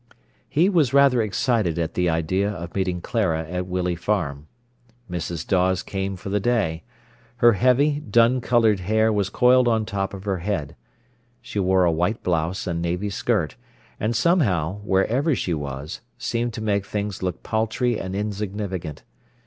He was rather excited at the idea of meeting Clara at Willey Farm. Mrs. Dawes came for the day. Her heavy, dun coloured hair was coiled on top of her head. She wore a white blouse and navy skirt, and somehow, wherever she was, seemed to make things look paltry and insignificant.